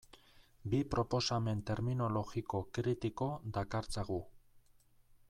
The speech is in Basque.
Bi proposamen terminologiko kritiko dakartzagu.